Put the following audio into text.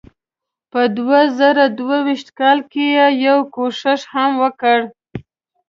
په دوه زره دوه ویشت کال کې یې یو کوښښ هم وکړ.